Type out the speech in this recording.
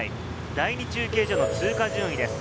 第２中継所の通過順位です。